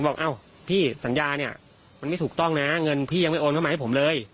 บอกอ้าวพี่สัญญาเนี่ยมันไม่ถูกต้องนะเงินพี่ยังไม่โอนเข้ามาให้ผมเลย